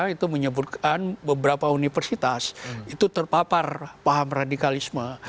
itu menyebutkan beberapa universitas itu terpapar paham radikalisme